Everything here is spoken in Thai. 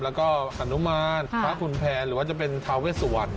แล้วก็อนุมานพระคุณแพรหรือว่าจะเป็นทาเวสวรรณ